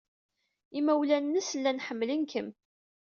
Imawlan-nnes llan ḥemmlen-kem.